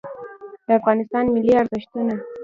د افغانستان ملي ارزښتونه